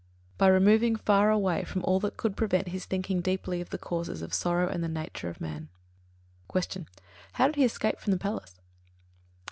By removing far away from all that could prevent his thinking deeply of the causes of sorrow and the nature of man. 41. Q. _How did he escape from the palace?